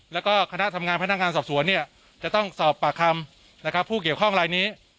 แล้วก็คณะทำงานพนักงานสอบสวนเนี่ยจะต้องสอบปากคำนะครับผู้เกี่ยวข้องลายนี้